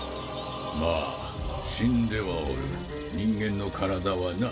まぁ死んではおる人間の体はな。